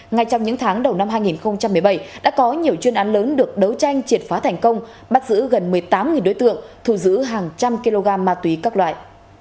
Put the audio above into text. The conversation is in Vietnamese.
ngay trong những tháng đầu năm hai nghìn một mươi bảy đã có nhiều chuyên án lớn được đấu tranh triệt phá thành công bắt giữ gần một mươi tám đối tượng thù giữ hàng trăm kg ma túy các loại